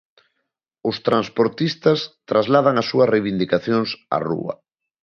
Os transportistas trasladan as súas reivindicacións á rúa.